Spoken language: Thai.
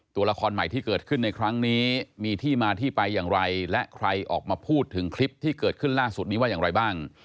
ตัวละครใหม่ที่เกิดขึ้นในครั้งนี้มีที่มาที่ไปอย่างไรและใครออกมาพูดถึงคลิปที่เกิดขึ้นล่าสุดนี้ว่าอย่างไรบ้าง